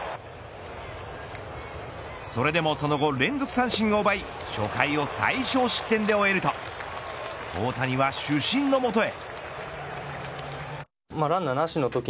それでもその後連続三振を奪い初回は最小失点で終えると大谷は主審の元へ。